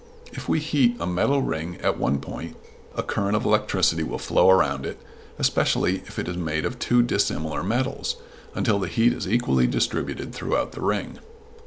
If we heat a metal ring at one point a current of electricity will flow around it especially if it is made of two dissimilar metals until the heat is equally distributed throughout the ring.